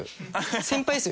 先輩ですよ